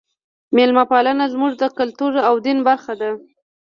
میلمه پالنه زموږ د کلتور او دین برخه ده.